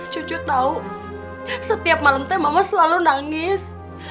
cucu tau setiap malem teh mama selalu nangis